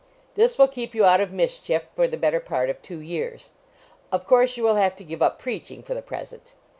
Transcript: This will keep you out of mischief for the better part of two years; of course you will have to give up preaching, for the present.